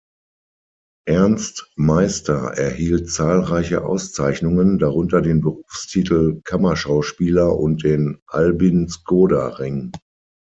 Ernst Meister erhielt zahlreiche Auszeichnungen, darunter den Berufstitel Kammerschauspieler und den Albin-Skoda-Ring.